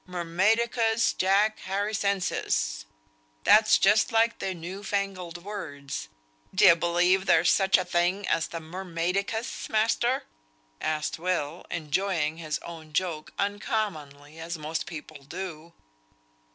Mermaidicus Jack Harrisensis; that's just like their new fangled words. D'ye believe there's such a thing as the Mermaidicus, master?" asked Will, enjoying his own joke uncommonly, as most people do.